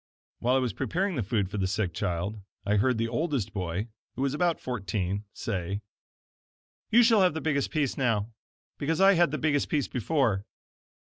While I was preparing the food for the sick child, I heard the oldest boy (who was about fourteen), say: "You shall have the biggest piece now, because I had the biggest piece before."